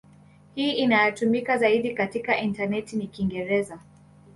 Hii inayotumika zaidi katika intaneti ni Kiingereza.